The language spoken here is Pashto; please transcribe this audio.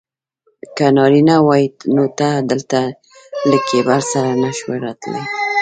که نارینه وای نو ته دلته له کیبل سره نه شوای راتلای.